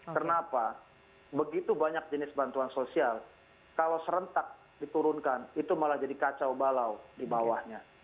kenapa begitu banyak jenis bantuan sosial kalau serentak diturunkan itu malah jadi kacau balau di bawahnya